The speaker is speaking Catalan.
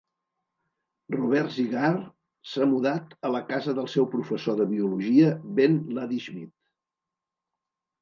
Robert Cigar s'ha mudat a la casa del seu professor de biologia, Ben Ladysmith.